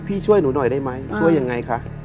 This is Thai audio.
ช่วยหนูหน่อยได้ไหมช่วยยังไงคะ